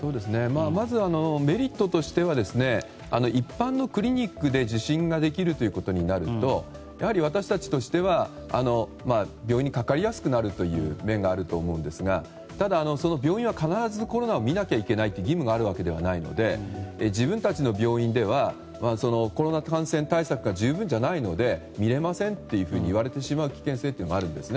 まずはメリットとしては一般のクリニックで受診ができるということになるとやはり私たちとしては病院にかかりやすくなる面があると思うんですがただ、病院は必ずコロナを診なければいけないと義務があるわけではないので自分たちの病院ではコロナ感染対策が十分ではないので診れませんと言われてしまう危険性があるんですね。